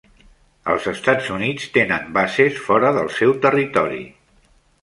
Els Estats Units tenen bases fora del seu territori.